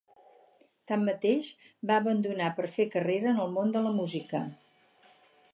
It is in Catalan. Tanmateix, va abandonar per fer carrera en el món de la música.